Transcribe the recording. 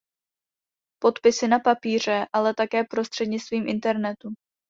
Podpisy na papíře, ale také prostřednictvím internetu.